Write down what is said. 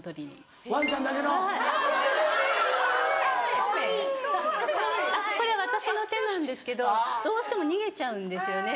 ・・かわいい・これ私の手なんですけどどうしても逃げちゃうんですよね